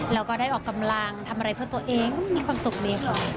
แล้วก็ได้ออกกำลังทำอะไรเพื่อตัวเองมีความสุขดีค่ะ